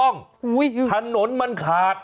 นี่คือผีอะไรคะ